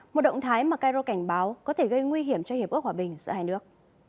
một động thái mà cairo cảnh báo có thể gây nguy hiểm cho hiệp ước hòa bình giữa hai nước